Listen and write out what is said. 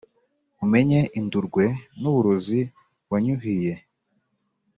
umenye indurwe n’uburozi wanyuhiye!